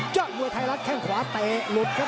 เจ้าบัวไทยรักแข่งขวาเตะหลุดครับ